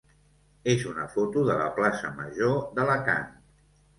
és una foto de la plaça major d'Alacant.